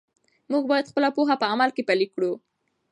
موږ باید خپله پوهه په عمل کې پلی کړو.